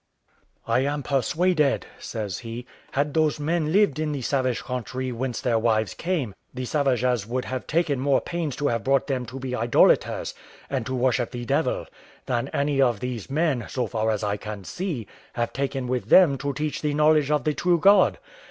"I am persuaded," says he, "had those men lived in the savage country whence their wives came, the savages would have taken more pains to have brought them to be idolaters, and to worship the devil, than any of these men, so far as I can see, have taken with them to teach the knowledge of the true God.